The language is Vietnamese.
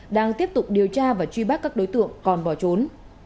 đang tiếp tục điều tra và truy bắt các đối tượng còn bỏ trốn